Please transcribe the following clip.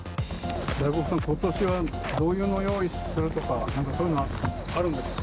だいぶことしは、こういうのを用意するとか、なんかそういうのあるんですか。